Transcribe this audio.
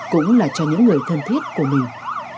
cũng là cho những người thân thiết của mình